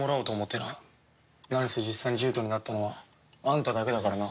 なんせ実際に獣人になったのはあんただけだからな。